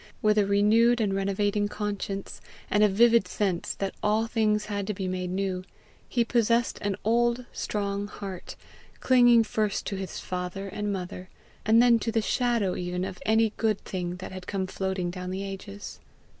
With a renewed and renovating conscience, and a vivid sense that all things had to be made new, he possessed an old strong heart, clinging first to his father and mother, and then to the shadow even of any good thing that had come floating down the ages.